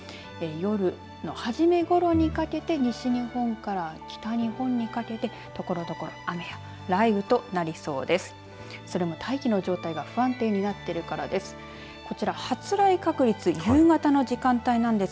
夜の初めごろにかけて西日本から北日本にかけてところどころ雨や雷雨となりそうです。